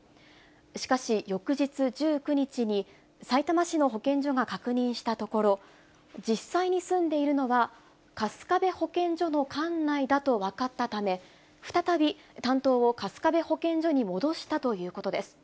しかし、翌日１９日に、さいたま市の保健所が確認したところ、実際に住んでいるのは春日部保健所の管内だと分かったため、再び担当を春日部保健所に戻したということです。